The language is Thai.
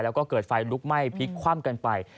แล้วก็เกิดไฟลุกไหม้พลิกคว่ำกันไป